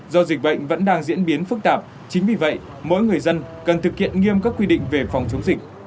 do dịch bệnh vẫn đang diễn biến phức tạp chính vì vậy mỗi người dân cần thực hiện nghiêm các quy định về phòng chống dịch